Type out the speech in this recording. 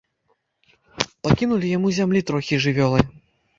Пакінулі яму зямлі трохі, жывёлы.